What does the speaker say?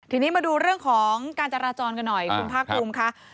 ทีนี้มาดูเรื่องของการจราจรกันหน่อยคุณภาคภูมิค่ะ